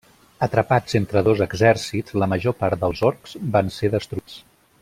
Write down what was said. Atrapats entre dos exèrcits, la major part dels orcs van ser destruïts.